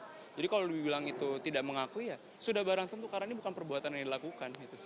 jadi kalau dibilang itu tidak mengakui ya sudah barang tentu karena ini bukan perbuatan yang dilakukan